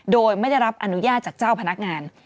โดยไม่ได้รับอนุญาตจากเจ้าพนักงาน